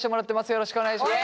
よろしくお願いします。